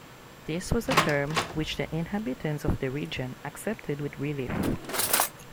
This was a term, which the inhabitants of the region accepted with relief.